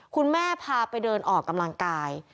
คุณแม่พาไปเดินออกกำลังกาย